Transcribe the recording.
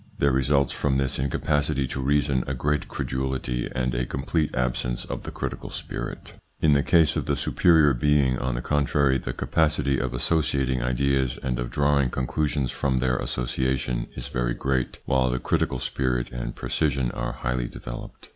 There results from this incapacity to reason a great credulity and a complete absence of the critical spirit In the case of the superior being, on the contrary, the capacity of associating ideas, and of drawing conclusions from their association is very great, while the critical spirit and precision are highly developed.